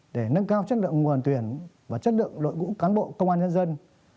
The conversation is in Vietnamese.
để nâng cao chất lượng nguồn tuyển và chất lượng đội ngũ cán bộ công an nhân dân